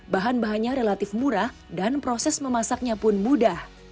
bahan bahannya relatif murah dan proses memasaknya pun mudah